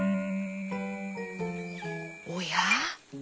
おや？